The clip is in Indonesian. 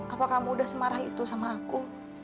apakah kamu udah semarah itu sama aku